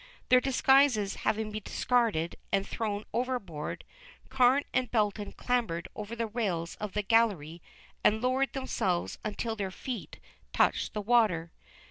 Their disguises having been discarded and thrown overboard, Carne and Belton clambered over the rails of the gallery and lowered themselves until their feet touched the water.